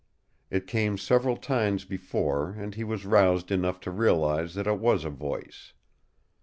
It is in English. It came several times before he was roused enough to realize that it was a voice.